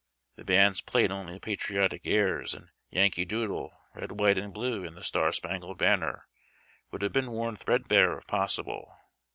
The bands played only patriotic airs, and " Yankee Doodle," " Red, White, and Blue," and the " Star Spangled Banner " would have been worn threadbare if possible.